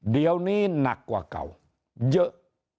เดี๋ยวนี้หนักกว่าเก่าเยอะ